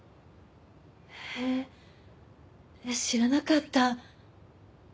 へえ知らなかった。